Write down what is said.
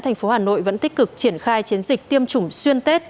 thành phố hà nội vẫn tích cực triển khai chiến dịch tiêm chủng xuyên tết